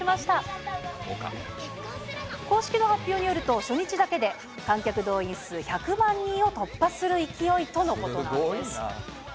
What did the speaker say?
公式の発表によると、初日だけで観客動員数１００万人を突破する勢いとのことなんです。